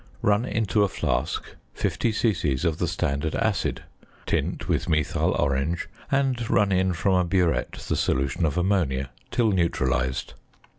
Run into a flask 50 c.c. of the standard "acid," tint with methyl orange, and run in from a burette the solution of ammonia till neutralised.